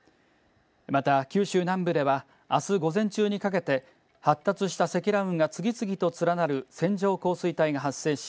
また、九州南部ではあす午前中にかけて発達した積乱雲が次々と連なる線状降水帯が発生し